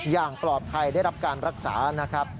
อย่างปลอดภัยได้รับการรักษานะครับ